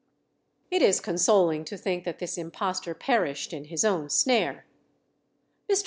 It is consoling to think that this impostor perished in his own snare. Mr.